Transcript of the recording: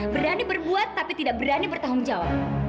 berani berbuat tapi tidak berani bertanggung jawab